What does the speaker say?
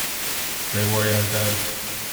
A great warrior has died.